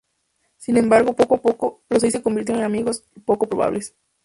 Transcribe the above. Sin embargo, poco a poco, los seis se convierten en amigos poco probables.